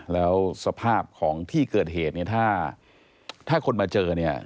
แล้วสภาพของที่เกิดเหตุถ้าคนมาเจอ